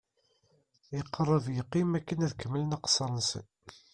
Iqerreb yeqqim akken ad kemmlen aqessar-nsen.